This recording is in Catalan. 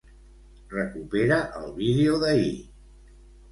Recupera el vídeo d'ahir.